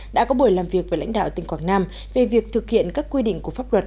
đã có buổi làm việc với lãnh đạo tỉnh quảng nam về việc thực hiện các quy định của pháp luật